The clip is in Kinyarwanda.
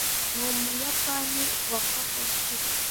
ni umuyapani wa kavukire